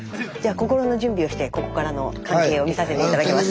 心の準備をしてここからの関係を見させて頂きます。